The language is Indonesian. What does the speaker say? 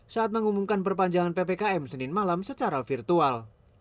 saat mengumumkan perpanjangan ppkm senin malam secara virtual